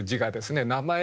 名前